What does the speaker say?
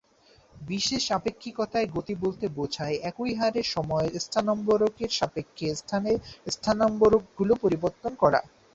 বিশেষ আপেক্ষিকতায় গতি বলতে বোঝায়, একই হারে সময়ের স্থানম্বরকের সাপেক্ষে স্থানের স্থানম্বরকগুলো পরিবর্তন করা।